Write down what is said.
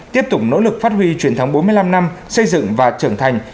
tiếp tục nỗ lực phát huy truyền thống bốn mươi năm năm xây dựng và trưởng thành